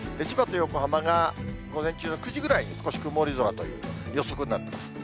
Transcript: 千葉と横浜が、午前中の９時ぐらいに少し曇り空という予測になっています。